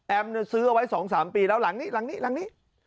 ซื้อเอาไว้๒๓ปีแล้วหลังนี้หลังนี้หลังนี้